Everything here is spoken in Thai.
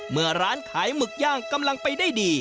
เมื่อร้านขายหมึกย่างกำลังไปได้ดี